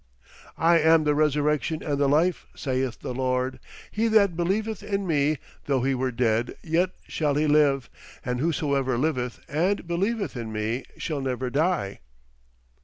"I am the resurrection and the life, saith the Lord; he that believeth in me, though he were dead, yet shall he live: and whosoever liveth and believeth in me shall never die."